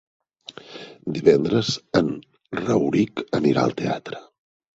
Divendres en Rauric anirà al teatre.